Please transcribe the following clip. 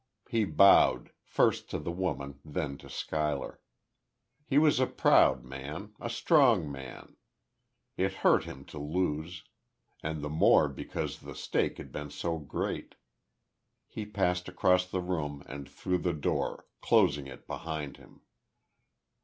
He bowed, first to the woman, then to Schuyler. He was a proud man a strong man. It hurt him to lose and the more because the stake had been so great.... He passed across the room, and through the door, closing it behind him.